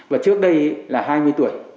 và trước đây là hai mươi tuổi